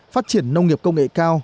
phát triển nông nghiệp công nghệ cao